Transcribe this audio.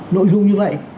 nội dung như vậy